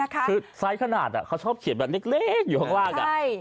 คือไซส์ขนาดเขาชอบเขียนแบบเล็กอยู่ข้างล่าง